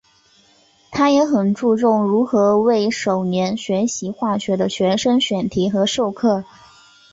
他也很注重如何为首年学习化学的学生选题和授课。